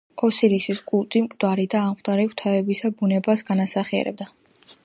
ოსირისის კულტი, მკვდარი და აღმდგარი ღვთაებისა ბუნებას განასახიერებდა.